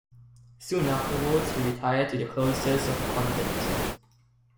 Soon afterwards, he retired to the cloisters of a convent.